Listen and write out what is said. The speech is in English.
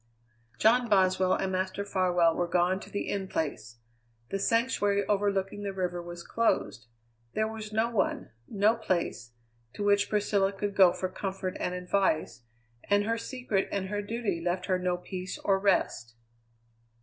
John Boswell and Master Farwell were gone to the In Place. The sanctuary overlooking the river was closed. There was no one, no place, to which Priscilla could go for comfort and advice, and her secret and her duty left her no peace or rest.